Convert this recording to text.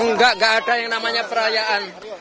enggak enggak ada yang namanya perayaan